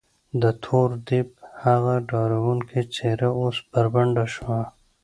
د تور دیب هغه ډارونکې څېره اوس بربنډه شوه.